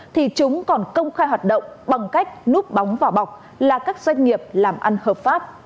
thì chúng còn công khai hoạt động bằng cách núp bóng vào bọc là các doanh nghiệp làm ăn hợp pháp